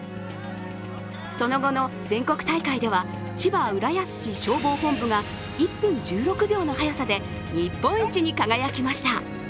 その後の全国大会では千葉浦安市消防本部が１分１６秒の速さで日本一に輝きました。